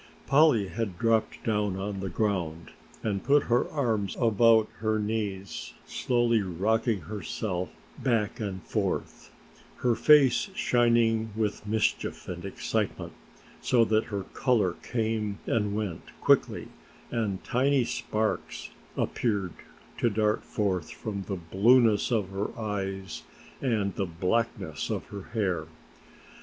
Polly had dropped down on the ground and put her arms about her, knees, slowly rocking herself back and forth, her face shining with mischief and excitement, so that her color came and went quickly and tiny sparks appeared to dart forth from the blueness of her eyes and the blackness of her hair.